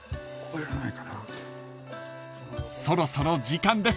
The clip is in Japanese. ［そろそろ時間です